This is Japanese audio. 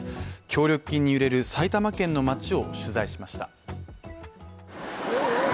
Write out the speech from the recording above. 協力金に入れる埼玉県の街を取材しました。